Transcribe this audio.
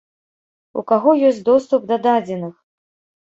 У каго ёсць доступ да дадзеных?